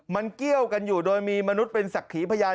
มันเกี้ยวกันอยู่โดยมีมนุษย์เป็นศักดิ์ขีพยาน